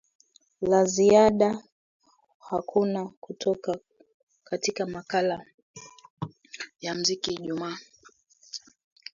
la ziada hakuna kutoka katika makala ya mziki ijumaa